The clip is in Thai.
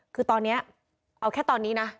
คือตอนนี้เอาแค่ตอนนี้นะ